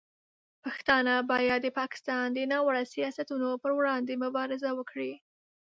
پښتانه باید د پاکستان د ناوړه سیاستونو پر وړاندې مبارزه وکړي.